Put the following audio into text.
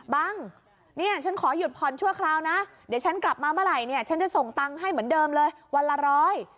บังเนี่ยฉันขอหยุดผ่อนชั่วคราวนะเดี๋ยวฉันกลับมาเมื่อไหร่เนี่ยฉันจะส่งตังค์ให้เหมือนเดิมเลยวันละร้อย